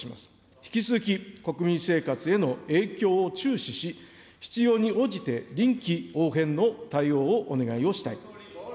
引き続き国民生活への影響を注視し、必要に応じて、臨機応変の対応をお願いをしたい。